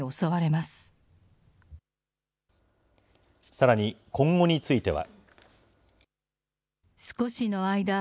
さらに、今後については。